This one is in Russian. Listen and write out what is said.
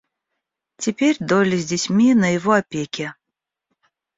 Теперь Долли с детьми на его опеке.